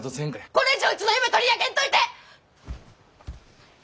これ以上うちの夢取り上げんといて！